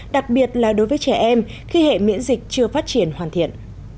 đặc biệt là đối với trẻ em khi hệ miễn dịch chưa phát triển hoàn thiện